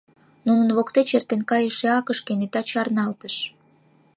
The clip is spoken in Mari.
Нунын воктеч эртен кайыше Акыш кенета чарналтыш.